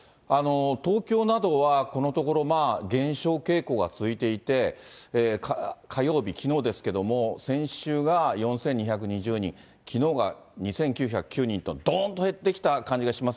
東京などは、このところ減少傾向が続いていて、火曜日、きのうですけれども、先週が４２２０人、きのうが２９０９人と、どーんと減ってきた感じがします。